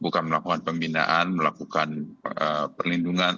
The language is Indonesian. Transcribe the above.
bukan melakukan pembinaan melakukan perlindungan